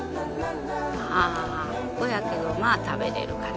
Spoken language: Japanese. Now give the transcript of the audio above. ああここやけどまあ食べられるかな。